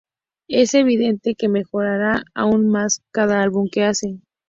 Es evidente que mejorará aún más con cada álbum que hace.